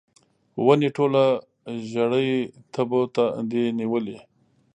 ونې ټوله ژړۍ تبو دي نیولې